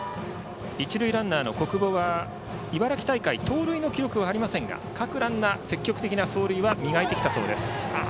一塁ランナーの小久保は茨城大会で盗塁の記録はありませんが各ランナー、積極的な走塁は磨いてきたそうです。